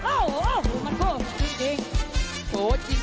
โอ้โฮมันโฮจริง